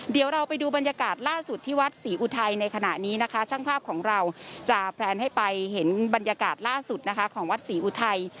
เดี๋ยวเราไปดูบรรยากาศล่าสุดที่วัดศรีอุทัยในขณะนี้นะคะช่างภาพของเราจะแพลนให้ไปเห็นบรรยากาศล่าสุดนะคะของวัดศรีอุทัย